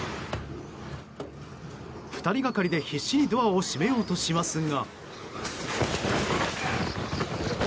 ２人がかりで、必死にドアを閉めようとしますが。